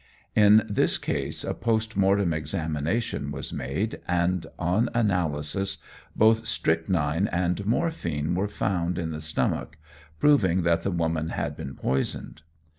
In this case a post mortem examination was made and on analysis both strychnine and morphine were found in the stomach, proving that the woman had been poisoned.